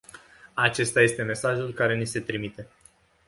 Acesta este mesajul care ni se trimite.